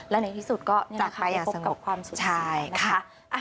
และในที่สุดก็ไปพบกับความสุดสวยนะคะ